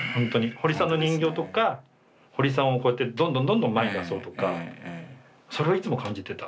ホリさんの人形とかホリさんをこうやってどんどんどんどん前に出そうとかそれはいつも感じてた。